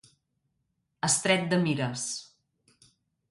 Estret de mires.